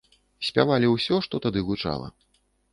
Спявалі ўсё, што тады гучала.